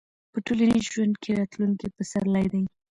په ټولنیز ژوند کې راتلونکي پسرلي دي.